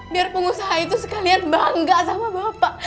biar pengusaha itu sekalian bangga sama bapak